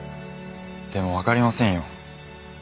でもわかりませんよ。